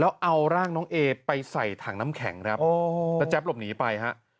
แล้วเอาร่างน้องเอไปใส่ถังน้ำแข็งครับแล้วแจ๊บหลบหนีไปฮะ